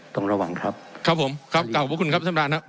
ต้องระวังครับครับผมครับกลับขอบคุณครับท่านประธานครับ